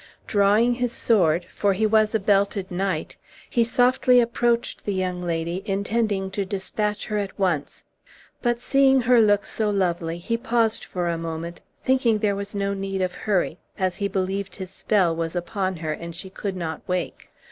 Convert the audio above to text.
Drawing his sword (for he was a belted knight), he softly approached the young lady, intending to despatch her at once; but, seeing her look so lovely, he paused for a moment, thinking there was no need of hurry, as he believed his spell was upon her, and she could not wake.